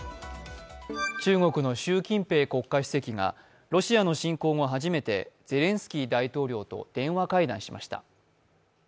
中国の習近平国家主席がロシアの侵攻後初めてゼレンスキー大統領と電話会談しました。